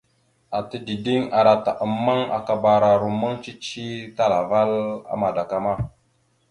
Ata dideŋ ara ata ammaŋ akabara rommaŋ cici talaval a madakama.